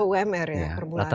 di bawah umr ya perbulannya